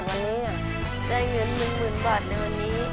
วันนี้ได้เงิน๑๐๐๐บาทในวันนี้